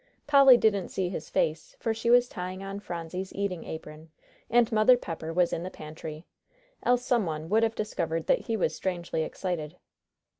Polly didn't see his face, for she was tying on Phronsie's eating apron, and Mother Pepper was in the pantry, else some one would have discovered that he was strangely excited.